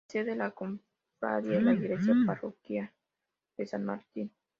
La sede de la cofradía es la Iglesia parroquial de San Martín.